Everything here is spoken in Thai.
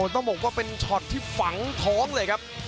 ต้องบอกว่าเป็นช็อตที่ฝังท้องเลยครับ